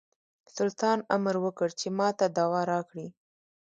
سلطان امر وکړ چې ماته دوا راکړي.